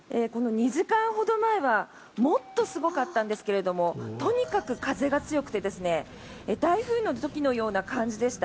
２時間ほど前はもっとすごかったんですけどもとにかく風が強くて台風の時のような感じでした。